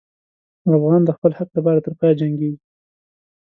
افغان د خپل حق لپاره تر پایه جنګېږي.